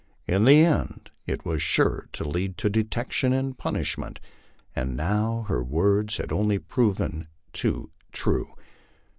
In the end it was sure to lead to detection and punishment, and now her words had only proven too true.